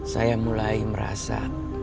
saya mulai merasa